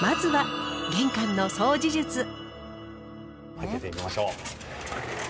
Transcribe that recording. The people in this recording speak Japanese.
開けてみましょう。